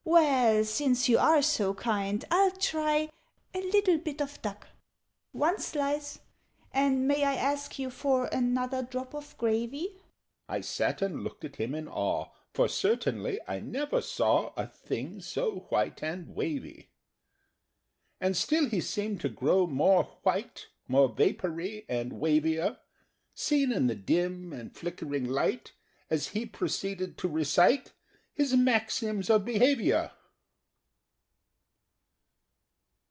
"Well, since you are so kind, I'll try A little bit of duck. "One slice! And may I ask you for Another drop of gravy?" I sat and looked at him in awe, For certainly I never saw A thing so white and wavy. And still he seemed to grow more white, More vapoury, and wavier Seen in the dim and flickering light, As he proceeded to recite His "Maxims of Behaviour."